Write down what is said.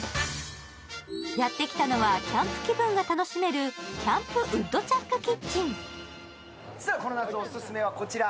やってきたのはキャンプ気分が楽しめるキャンプ・ウッドチャック・キッチン。